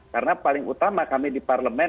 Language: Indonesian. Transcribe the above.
karena paling utama kami di parlemen